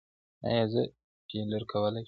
ایا زه فیلر کولی شم؟